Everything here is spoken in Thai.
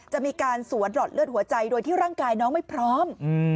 จะมีการสวนหลอดเลือดหัวใจโดยที่ร่างกายน้องไม่พร้อม